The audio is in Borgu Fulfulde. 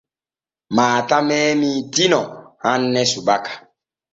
Maata meemii Tino hanne subaka.